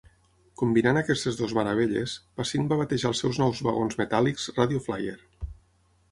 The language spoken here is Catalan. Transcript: Combinant aquestes dues meravelles, Pasin va batejar els seus nous vagons metàl·lics "Radio Flyer".